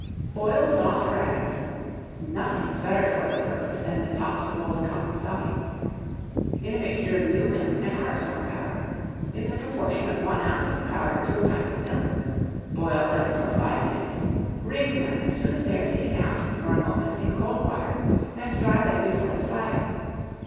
Boil soft rags (nothing is better for the purpose than the tops of old cotton stockings) in a mixture of new milk and hartshorn powder, in the proportion of 1 oz. of powder to a pint of milk; boil them for 5 minutes; wring them as soon as they are taken out, for a moment, in cold water, and dry them before the fire.